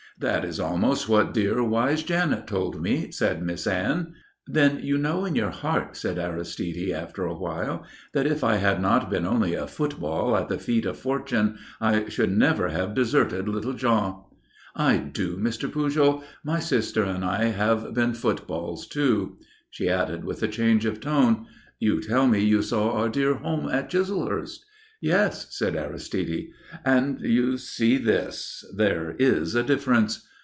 "That is almost what dear, wise Janet told me," said Miss Anne. "Then you know in your heart," said Aristide, after a while, "that if I had not been only a football at the feet of fortune, I should never have deserted little Jean?" "I do, Mr. Pujol. My sister and I have been footballs, too." She added with a change of tone: "You tell me you saw our dear home at Chislehurst?" "Yes," said Aristide. "And you see this. There is a difference."